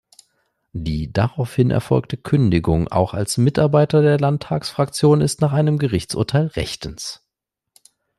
Die daraufhin erfolgte Kündigung auch als Mitarbeiter der Landtagsfraktion ist nach einem Gerichtsurteil rechtens.